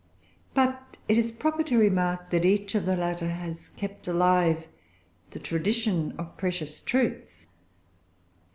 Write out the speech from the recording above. But it is proper to remark that each of the latter has kept alive the tradition of precious truths.